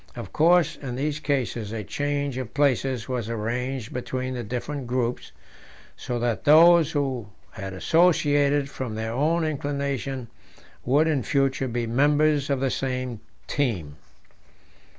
Of course in these cases a change of places was arranged between the different groups, so that those who had associated from their own inclination would in future be members of the same team.